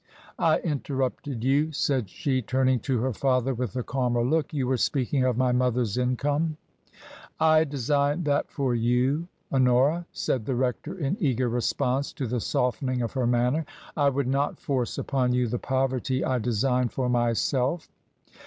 I interrupted you," said she, turning to her father with a calmer look ;" you were speaking of my mother's income." " I design that for you, Honora," said the rector in eager response to the softening of her manner ;" I would not force upon you the poverty I design for myself.